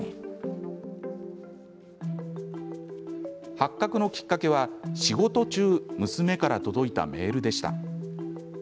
発覚のきっかけは、仕事中娘から届いたメールでした。